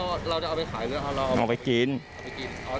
ฟังเสียงคนที่ไปรับของกันหน่อย